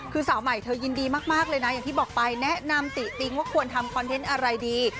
คือสาวใหม่เธอยินดีมากเลยนะอย่างที่บอกไปแนะนำติติ๊งว่าควรทำคอนเทนต์อะไรดี